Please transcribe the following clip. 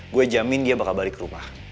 gue jamin dia bakal balik ke rumah